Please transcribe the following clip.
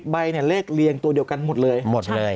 ใบเนี่ยเลขเรียงตัวเดียวกันหมดเลยหมดเลย